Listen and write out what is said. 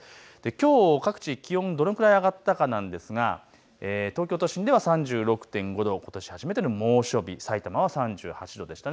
きょう各地、気温、どれくらい上がったかなんですが、東京都心では３６．５度、ことし初めての猛暑日、さいたま３８度でした。